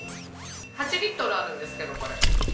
８リットルあるんですけどこれ。